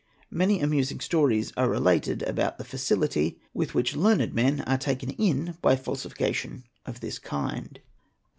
Many amusing stories are related _ about the facility with which learned men are taken 1 in by falsification of _ this kind.